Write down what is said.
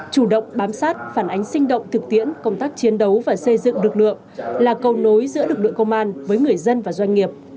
chủ động bám sát phản ánh sinh động thực tiễn công tác chiến đấu và xây dựng lực lượng là cầu nối giữa lực lượng công an với người dân và doanh nghiệp